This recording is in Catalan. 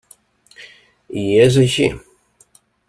I és així.